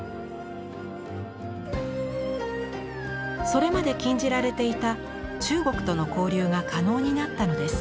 それまで禁じられていた中国との交流が可能になったのです。